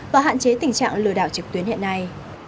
và hạn chế tình trạng lừa đảo trực tuyến hiện nay